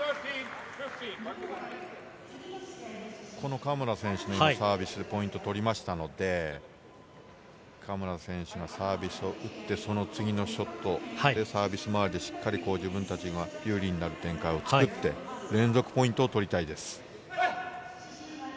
嘉村選手の今のサービス、ポイントを取りましたので嘉村選手がサービスを打って、その次のショットでサービスまわりでしっかりと自分たちが有利になる展開を作って連続ポイントを取りたいです。